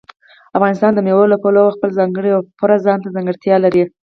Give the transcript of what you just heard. افغانستان د مېوو له پلوه خپله ځانګړې او پوره ځانته ځانګړتیا لري.